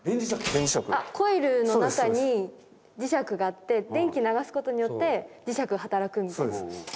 コイルの中に磁石があって電気流すことによって磁石働くんですよね？